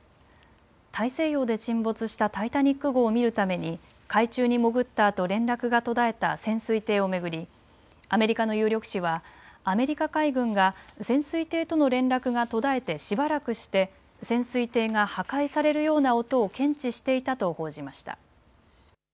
大西洋で沈没したタイタニック号を見るために海中に潜ったあと連絡が途絶えた潜水艇を巡りアメリカの有力紙はアメリカ海軍が潜水艇との連絡が途絶えてしばらくして潜水艇が破壊されるような音を検知していたと報じました。